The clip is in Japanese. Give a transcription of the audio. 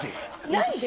何で？